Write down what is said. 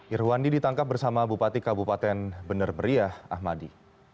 irwandi ditangkap bersama bupati kabupaten benerberiah ahmadi